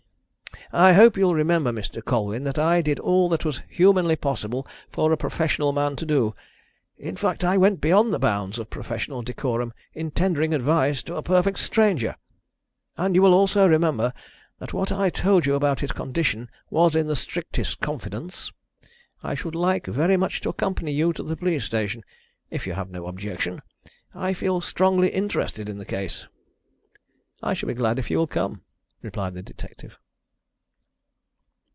I hope you'll remember, Mr. Colwyn, that I did all that was humanly possibly for a professional man to do in fact, I went beyond the bounds of professional decorum, in tendering advice to a perfect stranger. And you will also remember that what I told you about his condition was in the strictest confidence. I should like very much to accompany you to the police station, if you have no objection I feel strongly interested in the case." "I shall be glad if you will come," replied the detective.